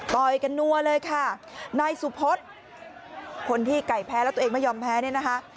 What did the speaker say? ต่อยกันนัวเลยค่ะนายสุพธคนที่ไก่แพ้แล้วตัวเองไม่ยอมแพ้เนี่ยนะคะ